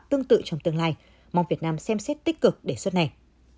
tương tự trong tương lai mong việt nam xem xét tích cực đề xuất này